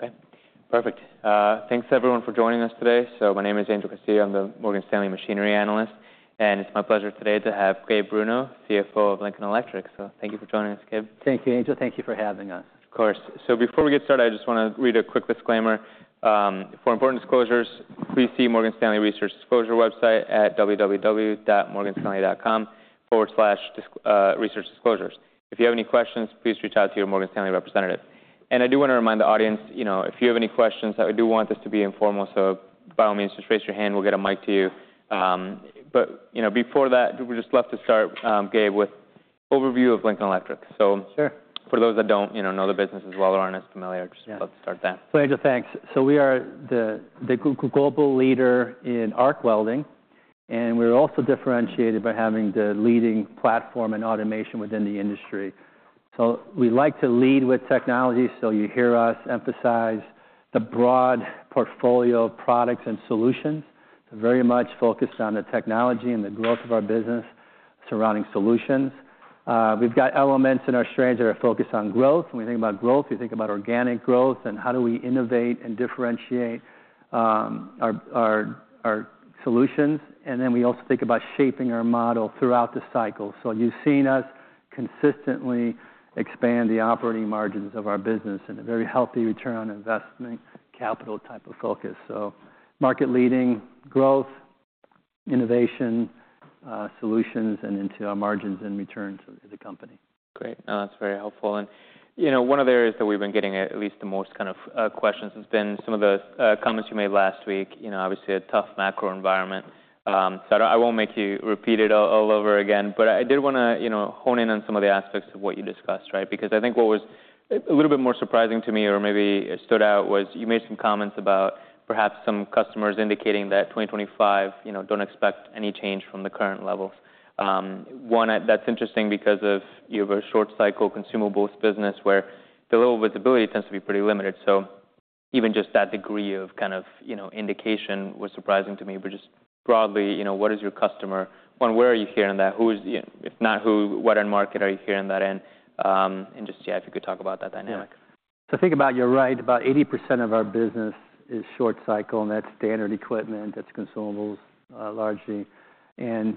Okay, perfect. Thanks everyone for joining us today. So my name is Angel Castillo. I'm the Morgan Stanley machinery analyst, and it's my pleasure today to have Gabe Bruno, CFO of Lincoln Electric. So thank you for joining us, Gabe. Thank you, Angel. Thank you for having us. Of course. So before we get started, I just wanna read a quick disclaimer. "For important disclosures, please see Morgan Stanley Research Disclosure website at www.morganstanley.com/disclosures. If you have any questions, please reach out to your Morgan Stanley representative." And I do wanna remind the audience, you know, if you have any questions, I do want this to be informal, so by all means, just raise your hand, we'll get a mic to you. But, you know, before that, we'd just love to start, Gabe, with overview of Lincoln Electric. So- Sure. for those that don't, you know, know the business as well or aren't as familiar, just- Yeah love to start there. So Angel, thanks. So we are the global leader in arc welding, and we're also differentiated by having the leading platform in automation within the industry. So we like to lead with technology, so you hear us emphasize the broad portfolio of products and solutions, very much focused on the technology and the growth of our business surrounding solutions. We've got elements in our strategy that are focused on growth. When we think about growth, we think about organic growth and how do we innovate and differentiate our solutions, and then we also think about shaping our model throughout the cycle. So you've seen us consistently expand the operating margins of our business in a very healthy return on investment, capital type of focus. So market-leading growth, innovation, solutions, and into our margins and returns as a company. Great. That's very helpful. And, you know, one of the areas that we've been getting at least the most kind of questions has been some of the comments you made last week. You know, obviously a tough macro environment. So I won't make you repeat it all over again, but I did wanna, you know, hone in on some of the aspects of what you discussed, right? Because I think what was a little bit more surprising to me, or maybe it stood out, was you made some comments about perhaps some customers indicating that twenty twenty-five, you know, don't expect any change from the current levels. One, that's interesting because you have a short cycle consumables business where the role of visibility tends to be pretty limited. So even just that degree of kind of, you know, indication was surprising to me. But just broadly, you know, what is your customer... One, where are you hearing that? Who is, you know, if not who, what end market are you hearing that in? And just, yeah, if you could talk about that dynamic. Yeah. So think about, you're right, about 80% of our business is short cycle, and that's standard equipment, that's consumables, largely. And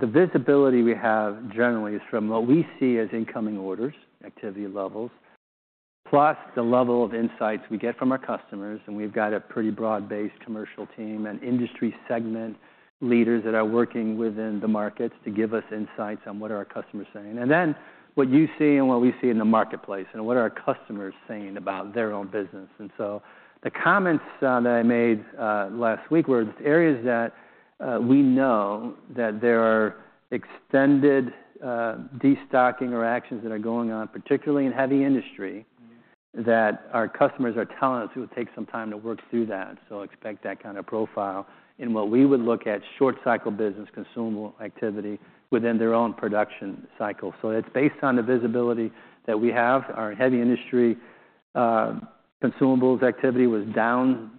the visibility we have generally is from what we see as incoming orders, activity levels, plus the level of insights we get from our customers, and we've got a pretty broad-based commercial team and industry segment leaders that are working within the markets to give us insights on what are our customers saying. And then, what you see and what we see in the marketplace and what are our customers saying about their own business? And so the comments that I made last week were areas that we know that there are extended destocking or actions that are going on, particularly in heavy industry that our customers are telling us it will take some time to work through that. So expect that kind of profile. And what we would look at short cycle business consumable activity within their own production cycle. So it's based on the visibility that we have. Our heavy industry consumables activity was down,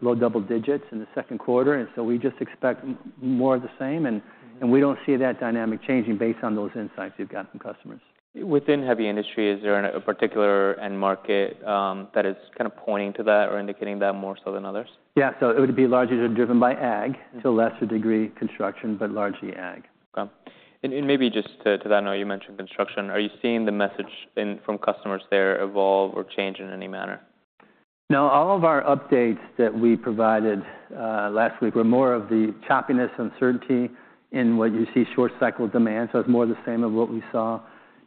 low double digits in the second quarter, and so we just expect more of the same, and we don't see that dynamic changing based on those insights we've got from customers. Within heavy industry, is there a particular end market, that is kind of pointing to that or indicating that more so than others? Yeah, so it would be largely driven by ag, to a lesser degree, construction, but largely ag. Okay. Maybe just to that note, you mentioned construction. Are you seeing the messaging from customers there evolve or change in any manner? No, all of our updates that we provided last week were more of the choppiness, uncertainty in what you see short cycle demand, so it's more of the same of what we saw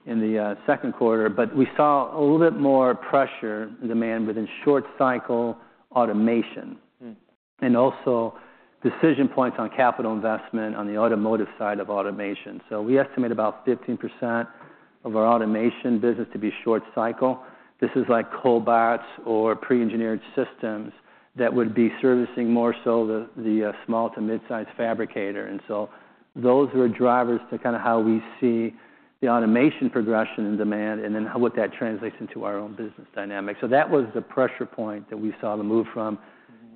in the second quarter. But we saw a little bit more pressure in demand within short cycle automation. Mm. And also decision points on capital investment on the automotive side of automation. So we estimate about 15% of our automation business to be short cycle. This is like cobots or pre-engineered systems that would be servicing more so the small to mid-size fabricator. And so those were drivers to kind of how we see the automation progression and demand, and then how would that translates into our own business dynamic. So that was the pressure point that we saw the move from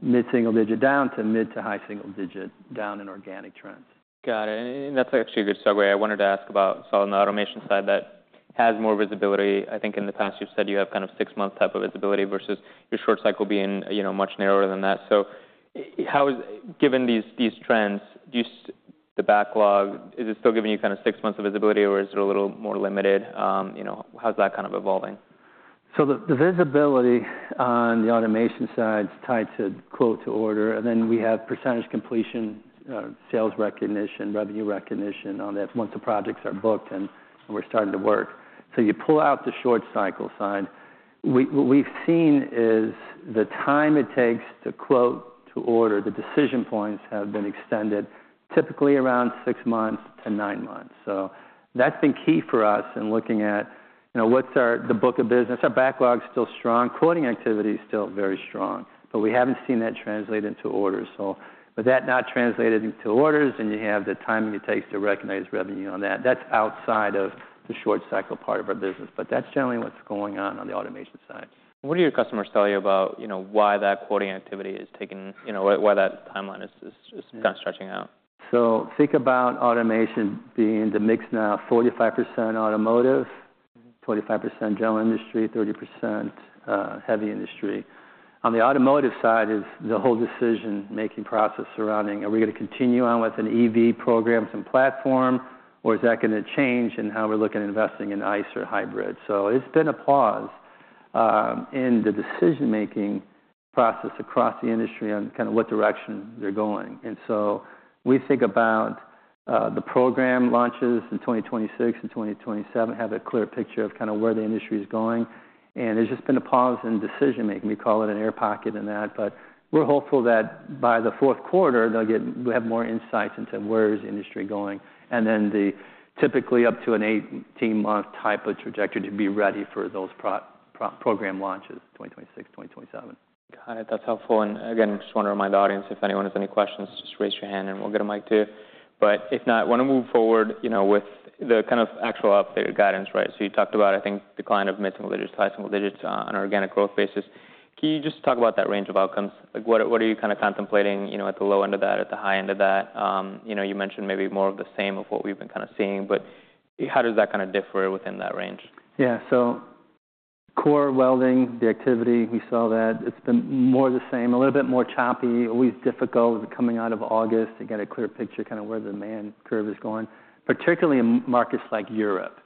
mid-single-digit down to mid to high-single-digit down in organic trends. Got it. And that's actually a good segue. I wanted to ask about, so on the automation side, that has more visibility. I think in the past, you've said you have kind of six-month type of visibility versus your short cycle being, you know, much narrower than that. So how is, given these trends, do you see the backlog, is it still giving you kind of six months of visibility, or is it a little more limited? You know, how's that kind of evolving? So the visibility on the automation side is tied to quote to order, and then we have percentage completion, sales recognition, revenue recognition on that once the projects are booked and we're starting to work. So you pull out the short cycle side, what we've seen is the time it takes to quote to order, the decision points have been extended typically around six months to nine months. So that's been key for us in looking at, you know, what's our, the book of business. Our backlog's still strong, quoting activity is still very strong, but we haven't seen that translate into orders. So with that not translated into orders, and you have the timing it takes to recognize revenue on that, that's outside of the short cycle part of our business, but that's generally what's going on on the automation side. What are your customers telling you about, you know, why that quoting activity is taking... You know, why that timeline is? Yeah kind of stretching out? Think about automation being the mix now, 40%-50% automotive, 25% general industry, 30% heavy industry. On the automotive side is the whole decision-making process surrounding: Are we going to continue on with an EV program, some platform, or is that going to change in how we're looking at investing in ICE or hybrid? It's been a pause in the decision-making process across the industry on kind of what direction they're going. We think about the program launches in 2026 and 2027, have a clear picture of kind of where the industry is going, and there's just been a pause in decision-making. We call it an air pocket in that, but we're hopeful that by the fourth quarter, they'll we'll have more insights into where is the industry going, and then the typically up to an 18-month type of trajectory to be ready for those program launches, 2026, 2027. Got it. That's helpful. And again, just want to remind the audience, if anyone has any questions, just raise your hand and we'll get a mic to you. But if not, I want to move forward, you know, with the kind of actual updated guidance, right? So you talked about, I think, decline of mid-single digits, high single digits on an organic growth basis. Can you just talk about that range of outcomes? Like, what are, what are you kind of contemplating, you know, at the low end of that, at the high end of that? You know, you mentioned maybe more of the same of what we've been kind of seeing, but how does that kind of differ within that range? Yeah. So core welding, the activity, we saw that it's been more the same, a little bit more choppy, always difficult coming out of August to get a clear picture, kind of where the demand curve is going, particularly in markets like Europe.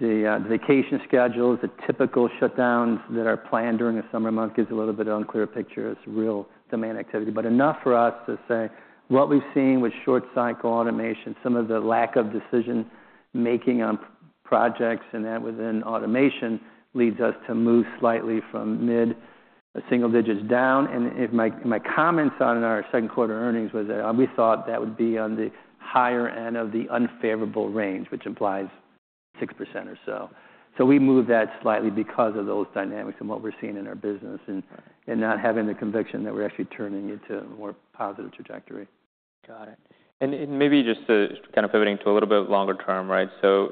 The vacation schedules, the typical shutdowns that are planned during the summer month gives a little bit of unclear picture as to real demand activity, but enough for us to say what we've seen with short cycle automation, some of the lack of decision-making on projects and that within automation leads us to move slightly from mid-single digits down. And if my comments on our second quarter earnings was that, we thought that would be on the higher end of the unfavorable range, which implies 6% or so. So we moved that slightly because of those dynamics and what we're seeing in our business and not having the conviction that we're actually turning into a more positive trajectory. Got it. And maybe just to kind of pivoting to a little bit longer term, right? So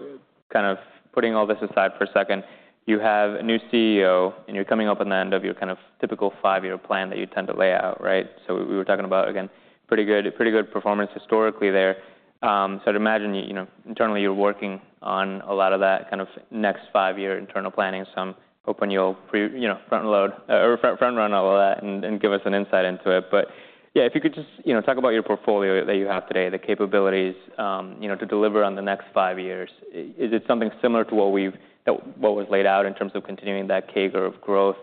kind of putting all this aside for a second, you have a new CEO, and you're coming up on the end of your kind of typical five-year plan that you tend to lay out, right? So we were talking about, again, pretty good, pretty good performance historically there. So I'd imagine, you know, internally, you're working on a lot of that kind of next five-year internal planning. So I'm hoping you'll, you know, front load or front-run all of that and give us an insight into it. But yeah, if you could just, you know, talk about your portfolio that you have today, the capabilities, you know, to deliver on the next five years. Is it something similar to what was laid out in terms of continuing that CAGR of growth?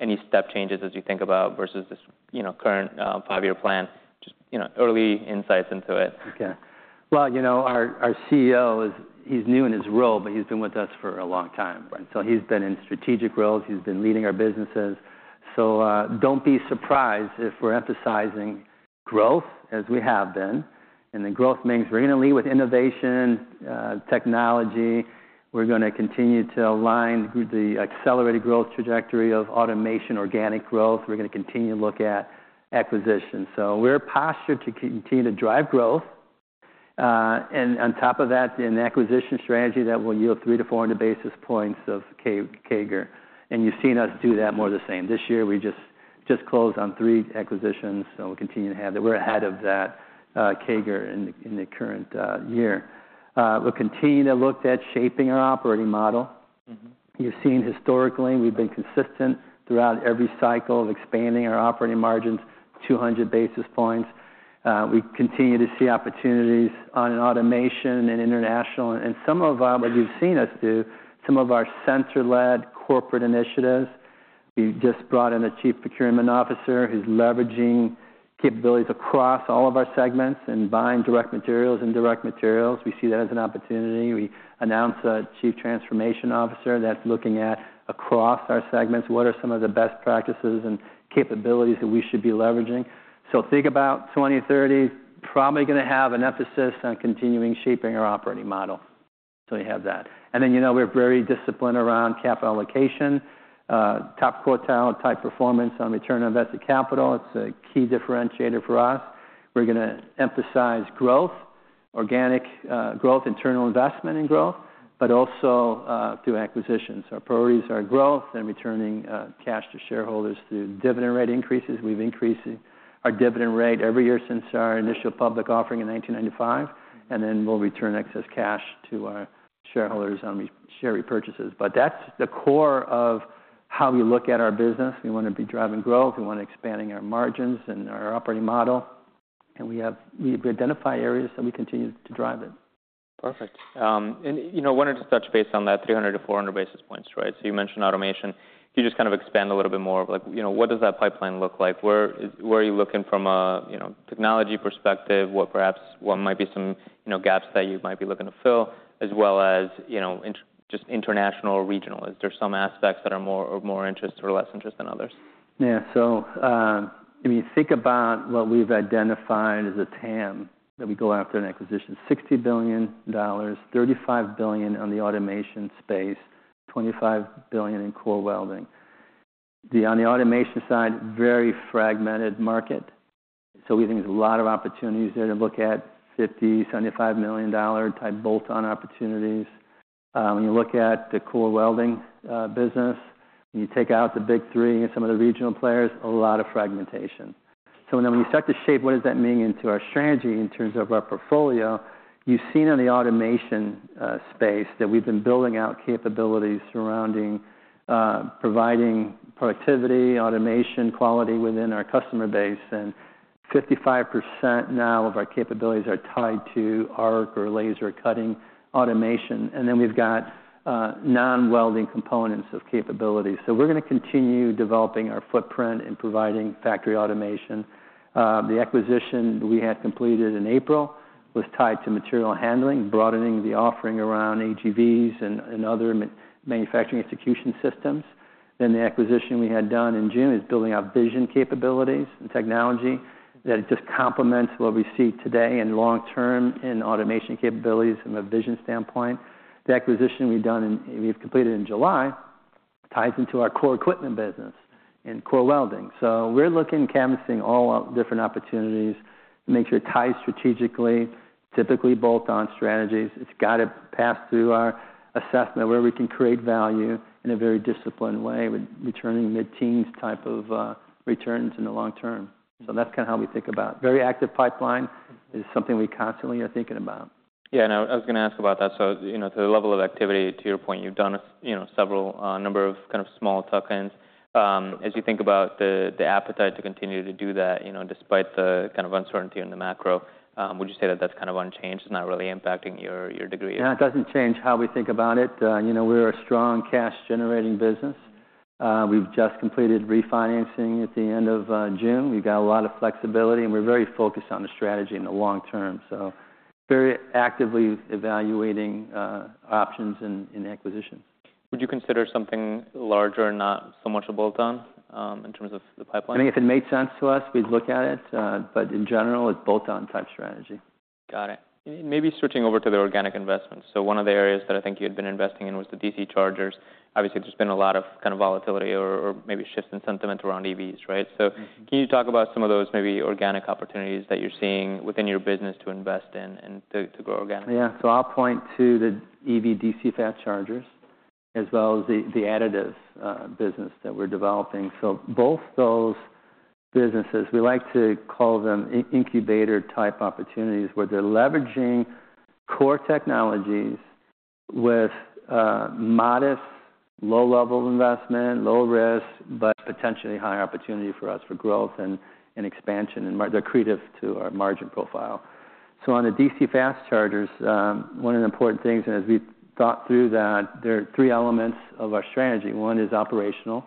Any step changes as you think about versus this, you know, current five-year plan? Just, you know, early insights into it. Okay. Well, you know, our CEO, he's new in his role, but he's been with us for a long time. Right. He's been in strategic roles. He's been leading our businesses. Don't be surprised if we're emphasizing growth as we have been, and the growth means we're going to lead with innovation, technology. We're going to continue to align with the accelerated growth trajectory of automation, organic growth. We're going to continue to look at acquisition. We're postured to continue to drive growth, and on top of that, an acquisition strategy that will yield 300-400 basis points of CAGR, and you've seen us do that more or less the same. This year, we just closed on three acquisitions, so we'll continue to have that. We're ahead of that CAGR in the current year. We'll continue to look at shaping our operating model. Mm-hmm. You've seen historically, we've been consistent throughout every cycle of expanding our operating margins, 200 basis points. We continue to see opportunities on automation and international, and some of them, as you've seen us do, some of our sensor-led corporate initiatives. We just brought in a Chief Procurement Officer who's leveraging capabilities across all of our segments and buying direct materials. Indirect materials, we see that as an opportunity. We announced a Chief Transformation Officer that's looking at across our segments, what are some of the best practices and capabilities that we should be leveraging? So think about 2030, probably going to have an emphasis on continuing shaping our operating model. So we have that. And then, you know, we're very disciplined around capital allocation, top quartile type performance on return on invested capital. It's a key differentiator for us. We're going to emphasize growth, organic growth, internal investment in growth, but also through acquisitions. Our priorities are growth and returning cash to shareholders through dividend rate increases. We've increased our dividend rate every year since our initial public offering in 1995, and then we'll return excess cash to our shareholders through share repurchases. But that's the core of how we look at our business. We want to be driving growth. We want expanding our margins and our operating model, and we identify areas, and we continue to drive it. Perfect. And, you know, wanted to touch base on that 300-400 basis points, right? So you mentioned automation. Can you just kind of expand a little bit more of like, you know, what does that pipeline look like? Where are you looking from a, you know, technology perspective? What perhaps might be some, you know, gaps that you might be looking to fill, as well as, you know, international or regional? Is there some aspects that are more of more interest or less interest than others? Yeah. So, if you think about what we've identified as a TAM, that we go after an acquisition, $60 billion, $35 billion on the automation space, $25 billion in core welding. The, on the automation side, very fragmented market, so we think there's a lot of opportunities there to look at $50 million-$75 million dollar-type bolt-on opportunities. When you look at the core welding business, you take out the Big Three and some of the regional players, a lot of fragmentation. So then when you start to shape, what does that mean into our strategy in terms of our portfolio? You've seen in the automation space that we've been building out capabilities surrounding providing productivity, automation, quality within our customer base, and 55% now of our capabilities are tied to arc or laser cutting automation, and then we've got non-welding components of capabilities. So we're gonna continue developing our footprint and providing factory automation. The acquisition we had completed in April was tied to material handling, broadening the offering around AGVs and other manufacturing execution systems. Then the acquisition we had done in June is building out vision capabilities and technology that just complements what we see today and long-term in automation capabilities from a vision standpoint. The acquisition we've completed in July ties into our core equipment business and core welding. So we're looking, canvassing all out different opportunities, make sure it ties strategically, typically bolt-on strategies. It's got to pass through our assessment, where we can create value in a very disciplined way, with returning mid-teens type of, returns in the long term. So that's kind of how we think about it. Very active pipeline is something we constantly are thinking about. Yeah, and I was gonna ask about that. So, you know, to the level of activity, to your point, you've done, you know, several, a number of kind of small tuck-ins. As you think about the appetite to continue to do that, you know, despite the kind of uncertainty in the macro, would you say that that's kind of unchanged, it's not really impacting your degree? Yeah, it doesn't change how we think about it. You know, we're a strong cash-generating business. We've just completed refinancing at the end of June. We've got a lot of flexibility, and we're very focused on the strategy in the long term, so very actively evaluating options in acquisitions. Would you consider something larger, not so much a bolt-on, in terms of the pipeline? I mean, if it made sense to us, we'd look at it, but in general, it's bolt-on type strategy. Got it. Maybe switching over to the organic investments. So one of the areas that I think you had been investing in was the DC chargers. Obviously, there's been a lot of kind of volatility or maybe shifts in sentiment around EVs, right? Mm-hmm. So can you talk about some of those maybe organic opportunities that you're seeing within your business to invest in and to grow again? Yeah. So I'll point to the EV DC fast chargers as well as the additive business that we're developing. So both those businesses, we like to call them incubator-type opportunities, where they're leveraging core technologies with modest, low-level investment, low risk, but potentially high opportunity for us for growth and expansion, and they're accretive to our margin profile. So on the DC fast chargers, one of the important things, and as we've thought through that, there are three elements of our strategy. One is operational,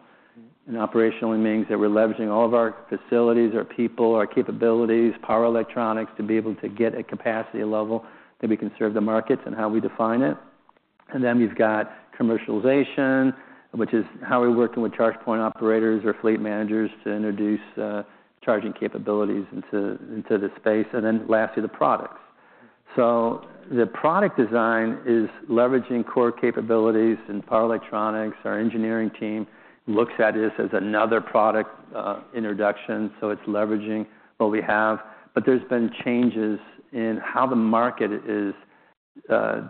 and operational means that we're leveraging all of our facilities, our people, our capabilities, power electronics, to be able to get a capacity level that we can serve the markets and how we define it. And then we've got commercialization, which is how we're working with charge point operators or fleet managers to introduce charging capabilities into the space, and then lastly, the products. So the product design is leveraging core capabilities and power electronics. Our engineering team looks at this as another product introduction, so it's leveraging what we have. But there's been changes in how the market is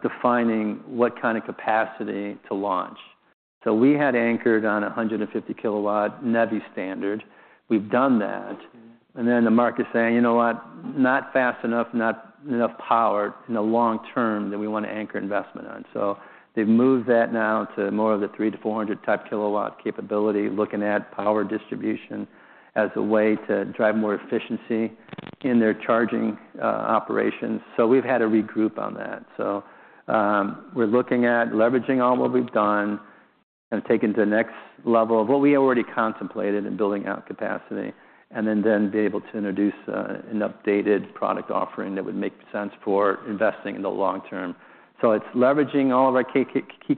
defining what kind of capacity to launch. So we had anchored on a 150 kW NEVI standard. We've done that, and then the market is saying, "You know what? Not fast enough, not enough power in the long term that we want to anchor investment on." So they've moved that now to more of the 300-400 type kW capability, looking at power distribution as a way to drive more efficiency in their charging operations. So we've had to regroup on that. We're looking at leveraging on what we've done and taking it to the next level of what we already contemplated in building out capacity, and then be able to introduce an updated product offering that would make sense for investing in the long term. So it's leveraging all of our key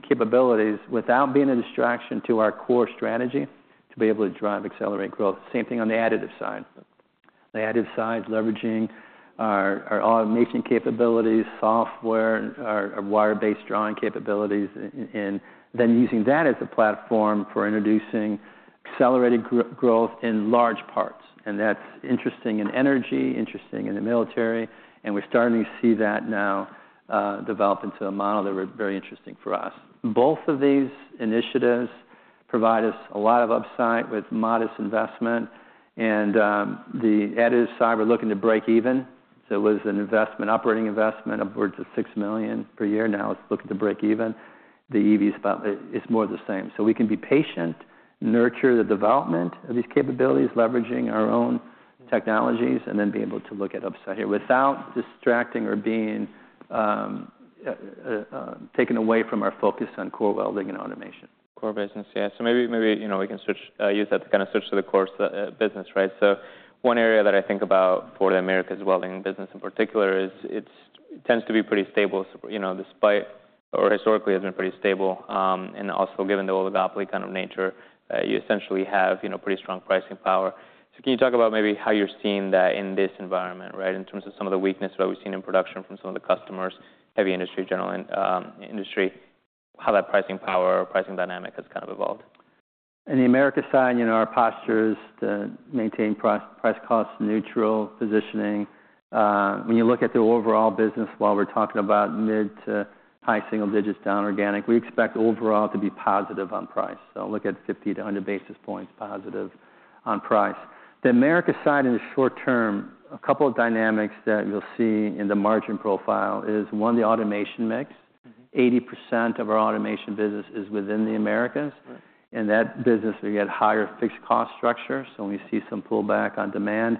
capabilities without being a distraction to our core strategy to be able to drive, accelerate growth. Same thing on the additive side. The additive side is leveraging our automation capabilities, software, our wire-based drawing capabilities, and then using that as a platform for introducing accelerated growth in large parts, and that's interesting in energy, interesting in the military, and we're starting to see that now develop into a model that was very interesting for us. Both of these initiatives provide us a lot of upside with modest investment, and, the additive side, we're looking to break even. So it was an investment, operating investment, upwards of $6 million per year. Now it's looking to break even. The EV is about... It's more the same. So we can be patient, nurture the development of these capabilities, leveraging our own technologies, and then be able to look at upside, without distracting or being, taken away from our focus on core welding and automation. Core business, yeah. So maybe, maybe, you know, we can switch, use that to kind of switch to the core business, right? So one area that I think about for the Americas Welding business in particular is it tends to be pretty stable, you know, despite or historically has been pretty stable. And also, given the oligopoly kind of nature, you essentially have, you know, pretty strong pricing power. So can you talk about maybe how you're seeing that in this environment, right, in terms of some of the weakness that we've seen in production from some of the customers, heavy industry, general industry, how that pricing power or pricing dynamic has kind of evolved? In the Americas side, you know, our posture is to maintain price-cost neutral positioning. When you look at the overall business, while we're talking about mid to high single digits down organic, we expect overall to be positive on price. So look at 50-100 basis points positive on price. The Americas side, in the short term, a couple of dynamics that you'll see in the margin profile is, one, the automation mix. 80% of our automation business is within the Americas, and that business, we get higher fixed cost structure. So when we see some pullback on demand,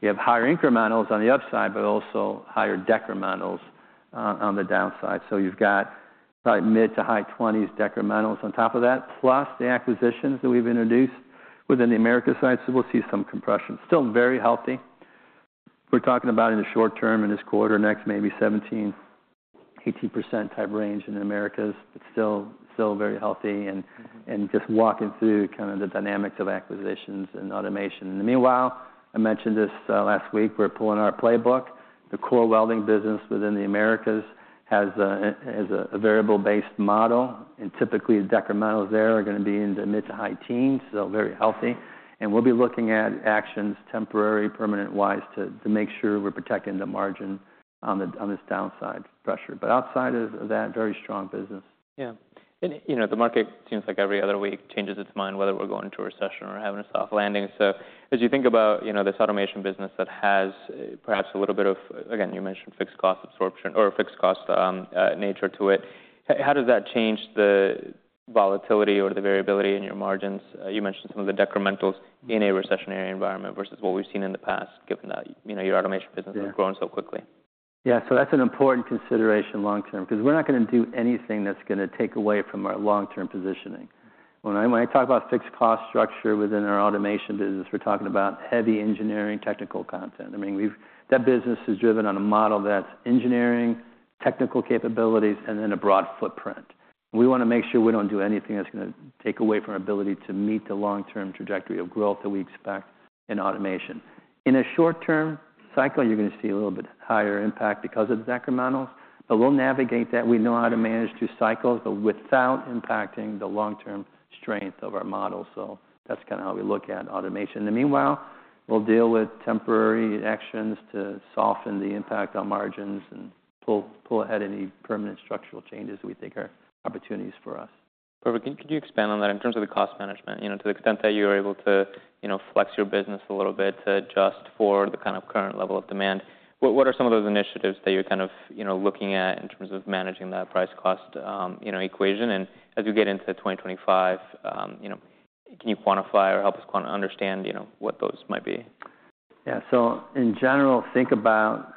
we have higher incrementals on the upside, but also higher decrementals on the downside. So you've got probably mid to high twenties decrementals on top of that, plus the acquisitions that we've introduced within the Americas side, so we'll see some compression. Still very healthy. We're talking about in the short term, in this quarter, next, maybe 17%-18% type range in Americas. It's still very healthy and just walking through kind of the dynamics of acquisitions and automation. In the meanwhile, I mentioned this last week, we're pulling our playbook. The core welding business within the Americas has a variable-based model, and typically, the decrementals there are gonna be in the mid to high teens, so very healthy. And we'll be looking at actions, temporary, permanent-wise, to make sure we're protecting the margin on this downside pressure. But outside of that, very strong business. Yeah. And, you know, the market seems like every other week changes its mind, whether we're going into a recession or having a soft landing. So as you think about, you know, this automation business that has perhaps a little bit of... Again, you mentioned fixed cost absorption or fixed cost nature to it. How does that change the volatility or the variability in your margins? You mentioned some of the decrementals in a recessionary environment versus what we've seen in the past, given that, you know, your automation business- Yeah is growing so quickly. Yeah, so that's an important consideration long term, 'cause we're not gonna do anything that's gonna take away from our long-term positioning. When I talk about fixed cost structure within our automation business, we're talking about heavy engineering, technical content. I mean, that business is driven on a model that's engineering, technical capabilities, and then a broad footprint. We wanna make sure we don't do anything that's gonna take away from our ability to meet the long-term trajectory of growth that we expect in automation. In a short-term cycle, you're gonna see a little bit higher impact because of decrementals, but we'll navigate that. We know how to manage through cycles but without impacting the long-term strength of our model. So that's kind of how we look at automation. In the meanwhile, we'll deal with temporary actions to soften the impact on margins and pull ahead any permanent structural changes we think are opportunities for us. Perfect. Can you expand on that in terms of the cost management? You know, to the extent that you're able to, you know, flex your business a little bit to adjust for the kind of current level of demand, what are some of those initiatives that you're kind of, you know, looking at in terms of managing that price cost, you know, equation? And as we get into 2025, you know, can you quantify or help us understand, you know, what those might be? Yeah. So in general, think about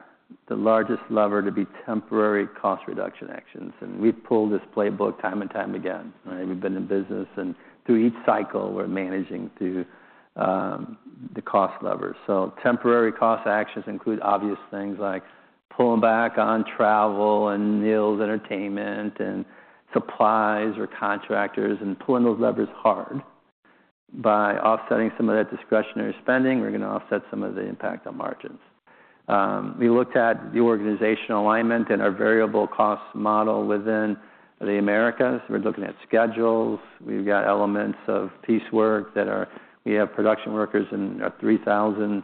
the largest lever to be temporary cost reduction actions, and we've pulled this playbook time and time again, right? We've been in business, and through each cycle, we're managing through the cost levers. So temporary cost actions include obvious things like pulling back on travel and meals, entertainment, and supplies or contractors, and pulling those levers hard. By offsetting some of that discretionary spending, we're gonna offset some of the impact on margins. We looked at the organizational alignment and our variable cost model within the Americas. We're looking at schedules. We've got elements of piecework that are... We have production workers in our 3,000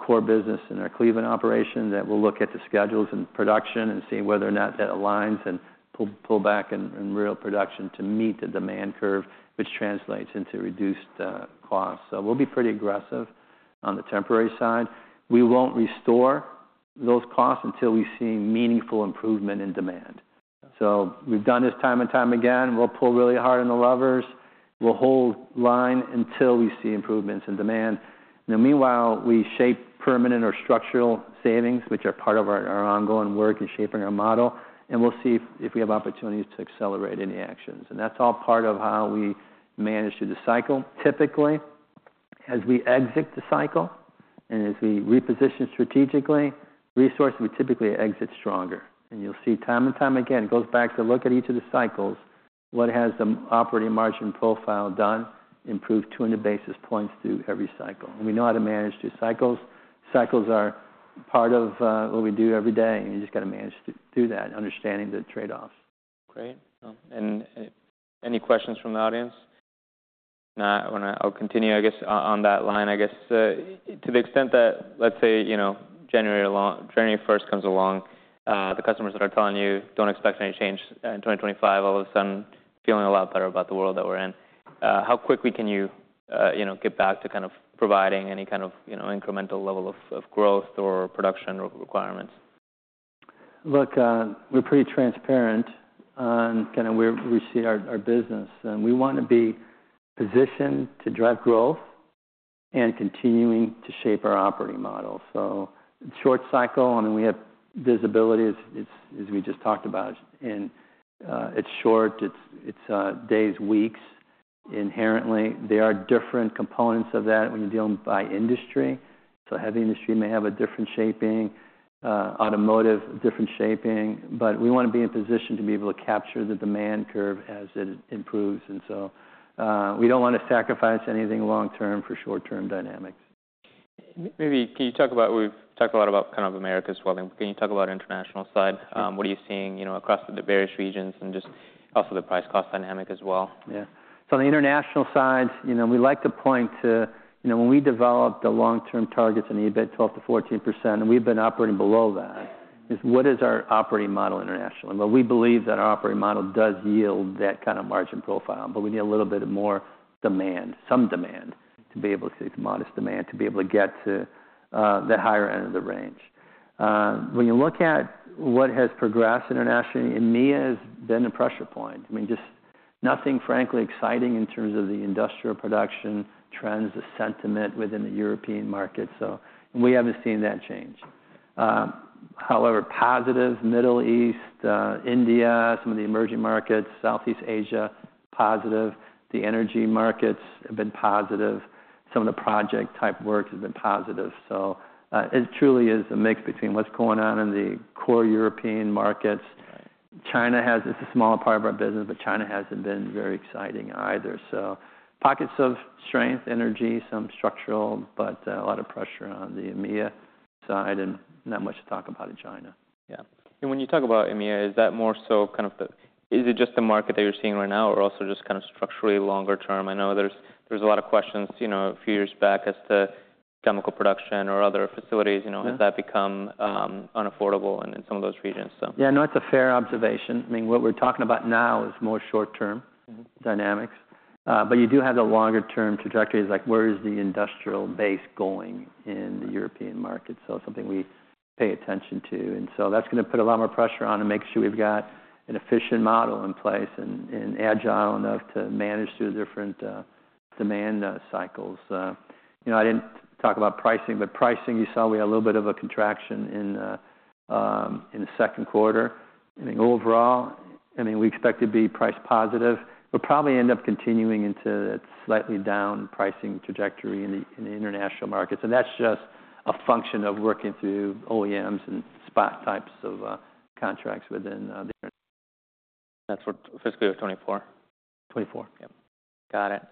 core business in our Cleveland operation that will look at the schedules and production and see whether or not that aligns, and pull back in real production to meet the demand curve, which translates into reduced costs. So we'll be pretty aggressive on the temporary side. We won't restore those costs until we see meaningful improvement in demand. So we've done this time and time again. We'll pull really hard on the levers. We'll hold line until we see improvements in demand. In the meanwhile, we shape permanent or structural savings, which are part of our ongoing work in shaping our model, and we'll see if we have opportunities to accelerate any actions. That's all part of how we manage through the cycle. Typically, as we exit the cycle and as we reposition strategically, resources, we typically exit stronger. And you'll see time and time again, it goes back to look at each of the cycles, what has the operating margin profile done? Improved two hundred basis points through every cycle. We know how to manage through cycles. Cycles are part of what we do every day, and you just got to manage through that, understanding the trade-offs. Great. And any questions from the audience? Nah, I'll continue, I guess, on that line, I guess. To the extent that... Let's say, you know, January first comes along, the customers that are telling you, "Don't expect any change in 2025," all of a sudden, feeling a lot better about the world that we're in. How quickly can you, you know, get back to kind of providing any kind of, you know, incremental level of growth or production requirements? Look, we're pretty transparent on kind of where we see our business, and we wanna be positioned to drive growth and continuing to shape our operating model. So short cycle, I mean, we have visibility, it's as we just talked about, and it's short, days, weeks. Inherently, there are different components of that when you're dealing by industry. So heavy industry may have a different shaping, automotive, different shaping. But we wanna be in position to be able to capture the demand curve as it improves, and so, we don't wanna sacrifice anything long term for short-term dynamics. Maybe can you talk about. We've talked a lot about kind of Americas Welding. Can you talk about international side? What are you seeing, you know, across the various regions and just also the price cost dynamic as well? Yeah. So on the international side, you know, we like to point to... You know, when we developed the long-term targets in EBIT, 12%-14%, and we've been operating below that.... Is what is our operating model internationally? Well, we believe that our operating model does yield that kind of margin profile, but we need a little bit more demand, some demand, to be able to see modest demand, to be able to get to the higher end of the range. When you look at what has progressed internationally, EMEA has been a pressure point. I mean, just nothing, frankly, exciting in terms of the industrial production trends, the sentiment within the European market, so we haven't seen that change. However, positive, Middle East, India, some of the emerging markets, Southeast Asia, positive. The energy markets have been positive. Some of the project-type works have been positive. So, it truly is a mix between what's going on in the core European markets. Right. China. It's a smaller part of our business, but China hasn't been very exciting either. So pockets of strength, energy, some structural, but, a lot of pressure on the EMEA side and not much to talk about in China. Yeah. And when you talk about EMEA, is that more so kind of the. Is it just the market that you're seeing right now, or also just kind of structurally longer term? I know there's a lot of questions, you know, a few years back, as to chemical production or other facilities, you know- Mm-hmm. Has that become unaffordable in some of those regions, so? Yeah, no, it's a fair observation. I mean, what we're talking about now is more short-term- Mm-hmm... dynamics, but you do have the longer-term trajectories, like where is the industrial base going in the European market, so something we pay attention to, and so that's gonna put a lot more pressure on to make sure we've got an efficient model in place and, and agile enough to manage through the different, demand cycles. You know, I didn't talk about pricing, but pricing, you saw we had a little bit of a contraction in, in the second quarter. I think overall, I mean, we expect to be price positive. We'll probably end up continuing into a slightly down pricing trajectory in the, in the international markets, and that's just a function of working through OEMs and spot types of, contracts within, the- That's for fiscal year 2024? 2024. Yep, got it.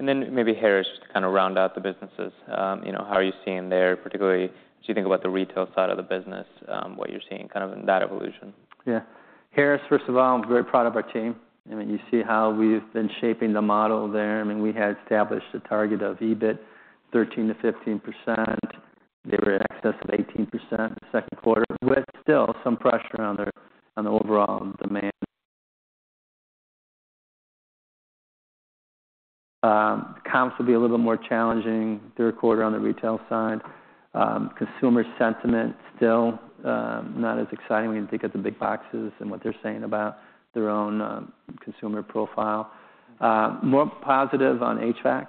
And then maybe Harris, just to kind of round out the businesses. You know, how are you seeing there, particularly as you think about the retail side of the business, what you're seeing kind of in that evolution? Yeah. Harris, first of all, I'm very proud of our team, and then you see how we've been shaping the model there. I mean, we had established a target of EBIT 13%-15%. They were in excess of 18% in the second quarter, but still some pressure on the, on the overall demand. Comps will be a little more challenging, third quarter on the retail side. Consumer sentiment still, not as exciting when you think of the big boxes and what they're saying about their own, consumer profile. More positive on HVAC,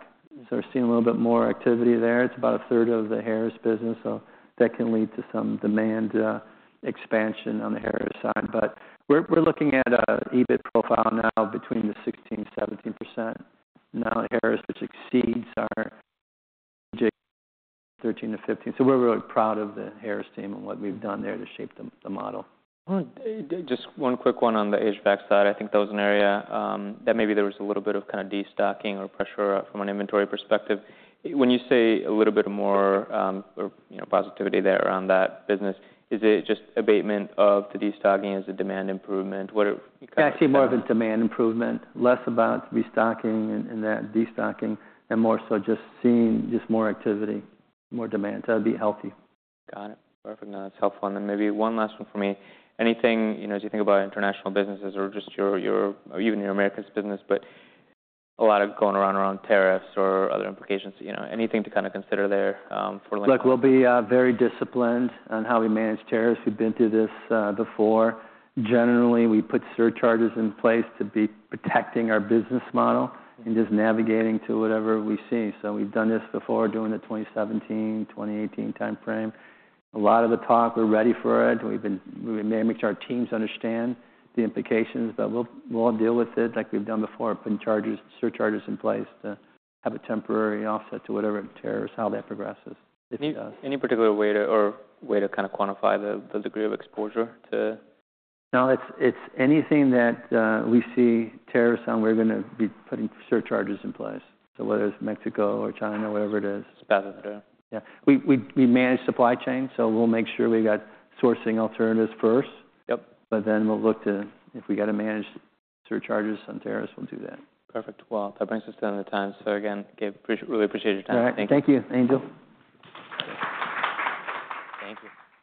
so we're seeing a little bit more activity there. It's about a third of the Harris business, so that can lead to some demand, expansion on the Harris side. We're looking at an EBIT profile now between 16%-17% now at Harris, which exceeds our 13%-15%. We're really proud of the Harris team and what we've done there to shape the model. All right. Just one quick one on the HVAC side. I think that was an area that maybe there was a little bit of kind of destocking or pressure from an inventory perspective. When you say a little bit more, or, you know, positivity there around that business, is it just abatement of the destocking as a demand improvement? What are- I see more of a demand improvement, less about restocking and that destocking, and more so just seeing more activity, more demand. So that'd be healthy. Got it. Perfect. No, that's helpful. And then maybe one last one for me. Anything, you know, as you think about international businesses or just your, your... or even your Americas business, but a lot of going around tariffs or other implications, you know, anything to kind of consider there, for- Look, we'll be very disciplined on how we manage tariffs. We've been through this before. Generally, we put surcharges in place to be protecting our business model and just navigating to whatever we see. So we've done this before, during the 2017, 2018 timeframe. A lot of the talk, we're ready for it. We've managed our teams to understand the implications, but we'll deal with it like we've done before, put surcharges in place to have a temporary offset to whatever tariffs, how that progresses. Any particular way to kind of quantify the degree of exposure to- No, it's, it's anything that we see tariffs on, we're gonna be putting surcharges in place. So whether it's Mexico or China or whatever it is. Got it. Yeah. Yeah. We manage supply chain, so we'll make sure we got sourcing alternatives first. Yep. But then we'll look to, if we got to manage surcharges on tariffs, we'll do that. Perfect. Well, that brings us down to time. So again, Gabe, appreciate, really appreciate your time. All right. Thank you. Thank you, Angel. Thank you.